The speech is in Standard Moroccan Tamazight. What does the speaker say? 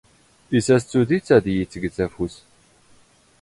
ⵉⵙ ⴰⵙ ⵜⵓⴷⵉⵜ ⴰⴷ ⵉⵢⵉ ⴷ ⵜⴳⵜ ⴰⴼⵓⵙ.